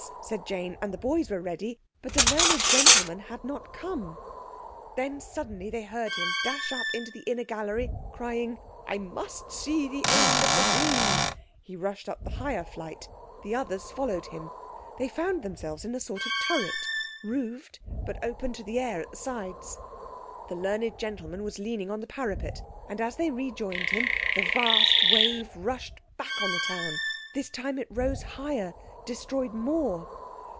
said Jane, and the boys were ready—but the learned gentleman had not come. Then suddenly they heard him dash up to the inner gallery, crying— "I must see the end of the dream." He rushed up the higher flight. The others followed him. They found themselves in a sort of turret—roofed, but open to the air at the sides. The learned gentleman was leaning on the parapet, and as they rejoined him the vast wave rushed back on the town. This time it rose higher—destroyed more.